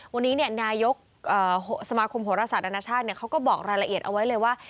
วันนี้นายกสมาคมโหรศาสตร์อนาชาติเขาก็บอกรายละเอียดเอาไว้เลยว่า